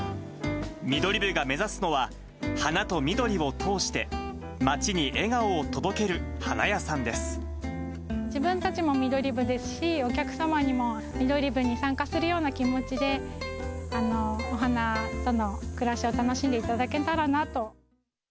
ミドリブが目指すのは、花と緑を通して、自分たちもミドリブですし、お客様にもミドリブに参加するような気持ちで、お花との暮らしを楽しんでいただけたらなと。